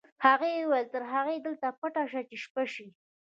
هغې وویل تر هغې دلته پټ شه چې شپه شي